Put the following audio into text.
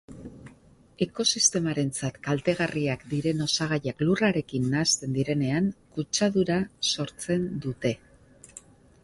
Ekosistemarentzat kaltegarriak diren osagaiak lurrarekin nahasten direnean, kutsadura sortzen dute.